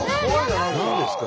何ですか？